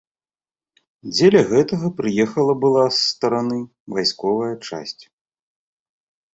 Дзеля гэтага прыехала была з стараны вайсковая часць.